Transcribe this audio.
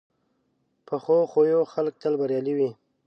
پخو خویو خلک تل بریالي وي